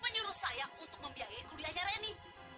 menyuruh saya untuk membiayai kuliahnya reni